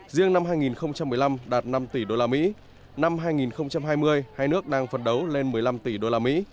riêng năm hai nghìn một mươi năm đạt năm tỷ usd năm hai nghìn hai mươi hai nước đang phấn đấu lên một mươi năm tỷ usd